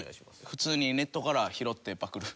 普通にネットから拾ってパクる。